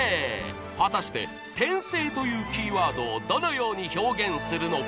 ［果たして転生というキーワードをどのように表現するのか］